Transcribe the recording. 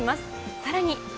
さらに。